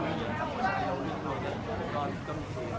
แล้วมีคนก็มีความสุข